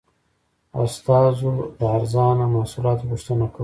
استازو د ارزانه محصولاتو غوښتنه کوله.